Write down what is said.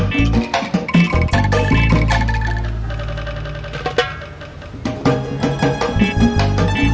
bapaknya temen neng